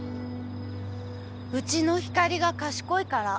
うちの光莉が賢いから。